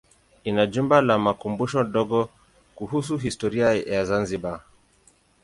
Ina jumba la makumbusho dogo kuhusu historia ya Zanzibar.